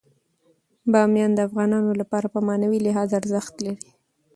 بامیان د افغانانو لپاره په معنوي لحاظ ارزښت لري.